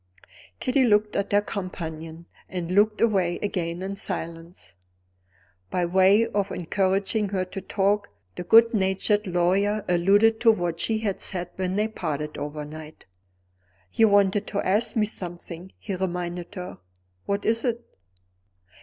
Kitty looked at her companion, and looked away again in silence. By way of encouraging her to talk, the good natured lawyer alluded to what she had said when they parted overnight. "You wanted to ask me something," he reminded her. "What is it?"